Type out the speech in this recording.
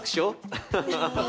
アハハハハッ。